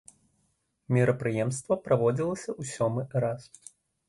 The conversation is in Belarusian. Мерапрыемства праводзіцца ў сёмы раз.